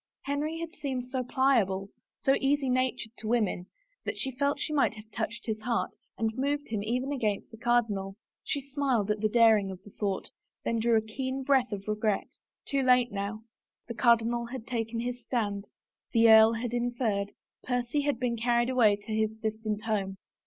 Henry had seemed so pliable, so easy natured to women, that she felt she might have touched his heart and moved him even against the cardinal. She smiled at the daring of the thought, then drew a keen breath of r^^et. Too late, now. The cardinal had taken his stand, the earl had interfered, Percy had been carried away to his distant home.